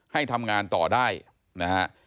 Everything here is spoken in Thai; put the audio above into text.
ให้ทำงานต่อได้นะฮะ